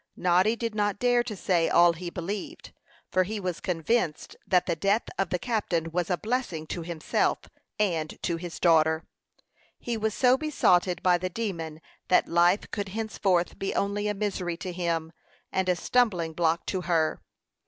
Noddy did not dare to say all he believed, for he was convinced that the death of the captain was a blessing to himself and to his daughter. He was so besotted by the demon that life could henceforth be only a misery to him, and a stumbling block to her.